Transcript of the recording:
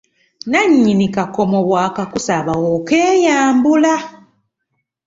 Nnannyini kakomo bw'akakusaba okeeyambula.